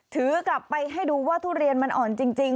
ถือกลับไปให้ดูว่าทุเรียนมันอ่อนจริง